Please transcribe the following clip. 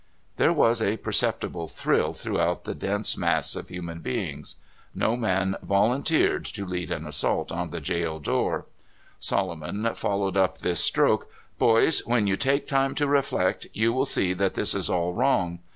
" There was a perceptible thrill throughout that ■dense mass of human beings. No man volunteered MY FIRST SUNDAY IN THE MINES. II to lead an assault on the jail door. Solomon fol lowed up this stroke: " Boys, when you take time to reflect, you will see that this is all wrong.